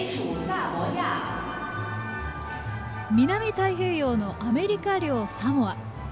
南太平洋のアメリカ領サモア。